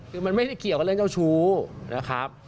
คือมันไม่ได้เกี่ยวกับเรื่องเจ้าชู้นะครับ